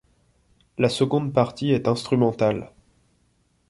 La seconde partie est instrumentale.